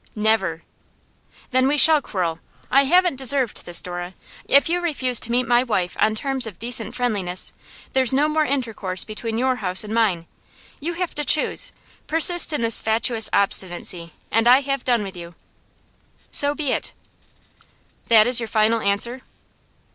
'Never!' 'Then we shall quarrel. I haven't deserved this, Dora. If you refuse to meet my wife on terms of decent friendliness, there's no more intercourse between your house and mine. You have to choose. Persist in this fatuous obstinacy, and I have done with you!' 'So be it!' 'That is your final answer?